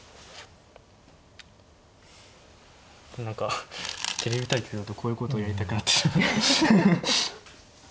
何かテレビ対局だとこういうことをやりたくなってしまう。